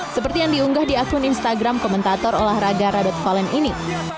seperti yang diunggah di akun instagram komentator olahraga radot valen ini